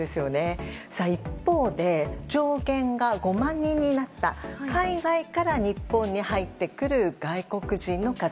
一方で、上限が５万人になった海外から日本に入ってくる外国人の数。